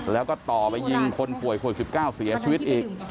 แล้วก็ต่อไปยิงคนป่วยคน๑๙เสียชีวิตอีก